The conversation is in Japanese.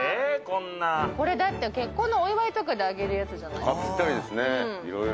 「これだって結婚のお祝いとかであげるやつじゃない？」